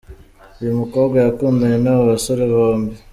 Uyu mukobwa yakundanye n'aba basore bombi.